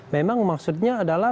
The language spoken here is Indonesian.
memang maksudnya adalah